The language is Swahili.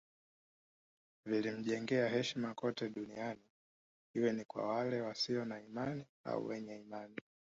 Vilimjengea heshima kote duniani iwe ni kwa wale wasio na imani au wenye imani